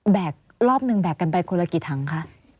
รอบหนึ่งแบกกันไปคนละกี่ถังคะ